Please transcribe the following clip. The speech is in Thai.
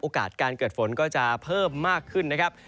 การเกิดฝนก็จะเพิ่มมากขึ้นนะครับ